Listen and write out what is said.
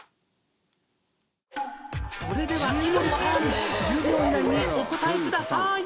それでは井森さん１０秒以内にお答えください